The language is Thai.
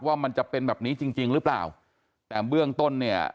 ว่ามันจะเป็นแบบนี้จริงจริงหรือเปล่าแต่เบื้องต้นเนี่ย